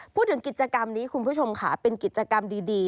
พูดถึงกิจกรรมนี้คุณผู้ชมค่ะเป็นกิจกรรมดี